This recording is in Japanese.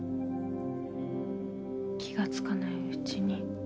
気がつかないうちに。